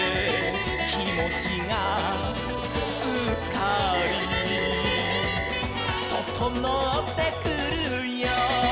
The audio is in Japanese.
「きもちがすっかり」「ととのってくるよ」